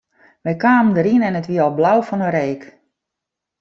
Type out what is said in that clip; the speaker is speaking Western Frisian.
Wy kamen deryn en it wie al blau fan 'e reek.